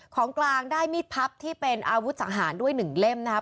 ของกลางได้มีดพับที่เป็นอาวุธสังหารด้วย๑เล่มนะครับ